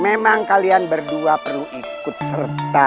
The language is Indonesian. memang kalian berdua perlu ikut serta